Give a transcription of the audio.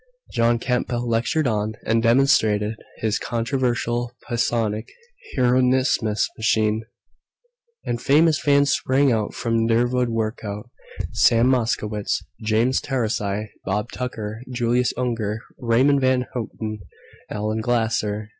John Campbell lectured on and demonstrated his controversial psionic Hieronymus machine, and famous fans sprang from der vood work out Sam Moskowitz, James Taurasi, Bob Tucker, Julius Unger, Raymond Van Houten, Allen Glasser